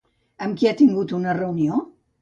Amb qui ha tingut una reunió?